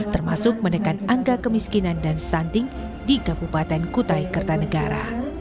termasuk menekan angka kemiskinan dan stunting di kabupaten kutai kertanegara